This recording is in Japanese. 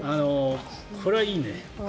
これはいいね。